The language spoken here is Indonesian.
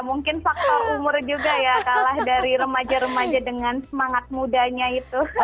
mungkin faktor umur juga ya kalah dari remaja remaja dengan semangat mudanya itu